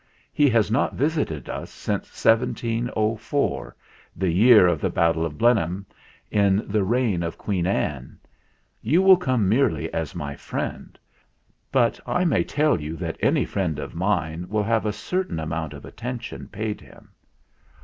He has not visited us since 1704, the year of the Battle of Blenheim in the reign of Queen Anne. You will come merely as my friend. But I may tell you that any friend of mine will have a certain amount of attention paid him."